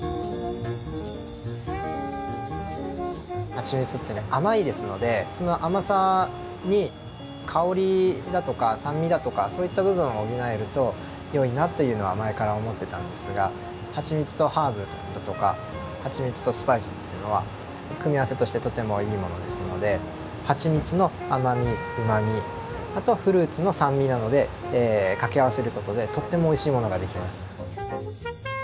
はちみつってね甘いですのでその甘さに香りだとか酸味だとかそういった部分を補えると良いなというのは前から思ってたんですがはちみつとハーブだとかはちみつとスパイスというのは組み合わせとしてとてもいいものですのではちみつの甘みうまみあとフルーツの酸味などで掛け合わせることでとってもおいしいものができます。